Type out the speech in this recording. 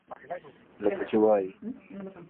لکه چې وائي: